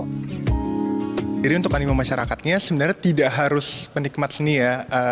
jadi untuk anima masyarakatnya sebenarnya tidak harus menikmat seni ya